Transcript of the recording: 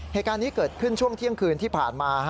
เหตุการณ์นี้เกิดขึ้นช่วงเที่ยงคืนที่ผ่านมา